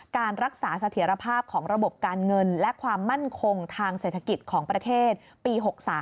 การรักษาเสถียรภาพของระบบการเงินและความมั่นคงทางเศรษฐกิจของประเทศปี๖๓